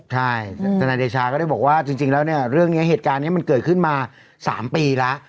ใช่ทนายเดชาก็ได้บอกว่าจริงแล้วเนี่ยเรื่องนี้เหตุการณ์นี้มันเกิดขึ้นมา๓ปีแล้ว